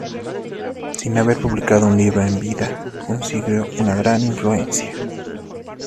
Sin haber publicado un libro en vida, consiguió una gran influencia.